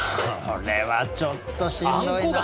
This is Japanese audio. これはちょっとしんどいな。